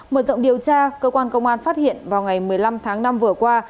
mở rộng điều tra cơ quan công an phát hiện vào ngày một mươi năm tháng năm vừa qua